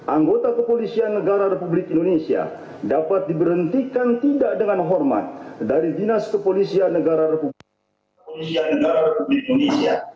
anggota kepolisian negara republik indonesia dapat diberhentikan tidak dengan hormat dari dinas kepolisian negara republik indonesia